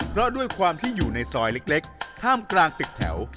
เพราะด้วยความที่อยู่ในซอยเล็กท่ามกลางตึกแถว